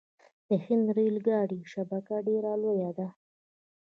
د هند ریل ګاډي شبکه ډیره لویه ده.